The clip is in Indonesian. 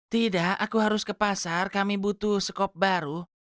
tidak aku harus ke pasar kami butuh skop baru